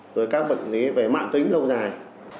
rồi các bệnh lý về mạng tính lâu dài